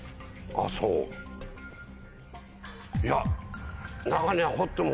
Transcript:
あぁそう。いや。